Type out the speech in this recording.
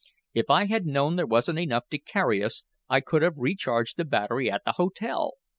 If I had known there wasn't enough to carry us I could have recharged the battery at the hotel.